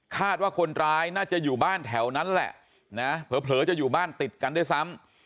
คาดว่าคนร้ายน่าจะอยู่บ้านแถวนั้นแหละนะเผลอจะอยู่บ้านติดกันด้วยซ้ำ